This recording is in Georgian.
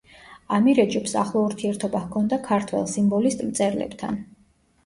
ამირეჯიბს ახლო ურთიერთობა ჰქონდა ქართველ სიმბოლისტ მწერლებთან.